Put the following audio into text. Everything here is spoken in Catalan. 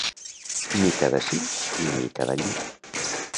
mica d'ací i mica d'allí